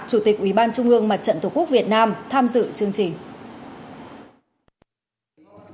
chủ tịch ubnd mặt trận tổ quốc việt nam tham dự chương trình